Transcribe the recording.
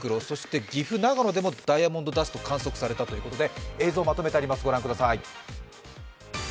そして岐阜、長野でもダイヤモンドダスト観測されたということで映像をまとめてあります、御覧ください。